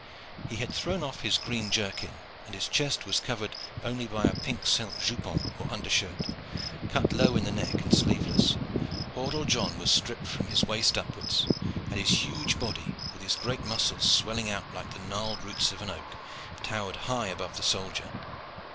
He had thrown off his green jerkin, and his chest was covered only by a pink silk jupon, or undershirt, cut low in the neck and sleeveless. Hordle John was stripped from his waist upwards, and his huge body, with his great muscles swelling out like the gnarled roots of an oak, towered high above the soldier.